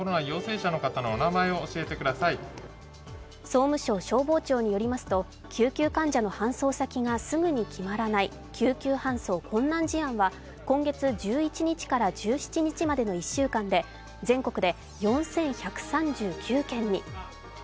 総務省・消防庁によりますと救急患者の搬送先がすぐに決まらない救急搬送困難事案は今月１１日から１７日までの１週間で全国で４１３９件に。